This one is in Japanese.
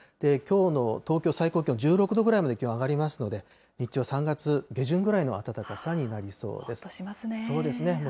きょうの東京、最高気温１６度ぐらいまで気温上がりますので、日中は３月下旬ぐらいの暖かさになほっとしますね。